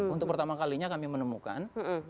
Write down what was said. untuk pertama kalinya kami menemukan